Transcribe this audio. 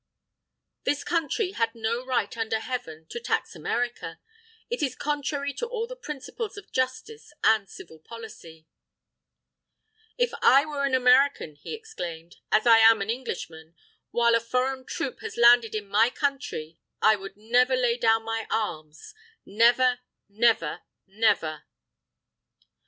_" "This Country had no right under Heaven to tax America! It is contrary to all the principles of justice and civil policy." "_If I were an American," he exclaimed, "as I am an Englishman, while a foreign troop was landed in my Country, I never would lay down my arms never never never!